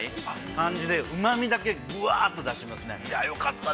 感じでうまみだけ、ぐわあっと出しますね。